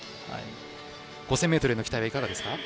５０００ｍへの期待はいかがですか。